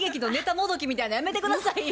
もどきみたいのやめて下さいよ。